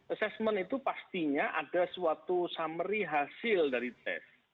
assessment itu pastinya ada suatu summary hasil dari tes